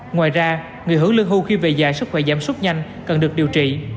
ngoài ra người hưởng lương hưu khi về già sức khỏe giảm súc nhanh cần được điều trị